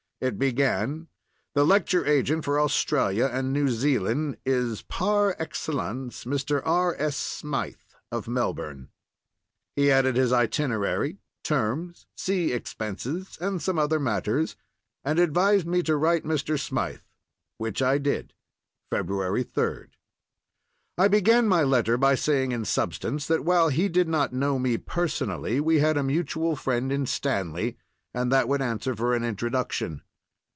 It began: "The lecture agent for Australia and New Zealand is par excellence Mr. R. S. Smythe, of Melbourne." He added his itinerary, terms, sea expenses, and some other matters, and advised me to write Mr. Smythe, which I did—February 3d. I began my letter by saying in substance that while he did not know me personally we had a mutual friend in Stanley, and that would answer for an introduction.